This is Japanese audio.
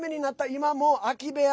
今も空き部屋